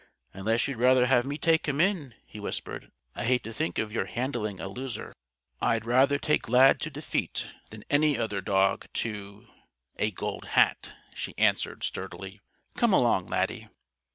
"Unless you'd rather have me take him in?" he whispered. "I hate to think of your handling a loser." "I'd rather take Lad to defeat than any other dog to a Gold Hat," she answered, sturdily. "Come along, Laddie!"